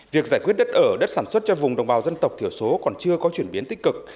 việc giải quyết đất ở đất sản xuất cho vùng đồng bào dân tộc thiểu số còn chưa có chuyển biến tích cực